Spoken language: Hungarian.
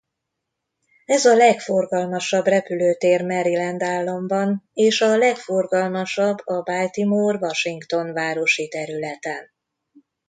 Ez a legforgalmasabb repülőtér Maryland államban és a legforgalmasabb a Baltimore–Washington városi területen.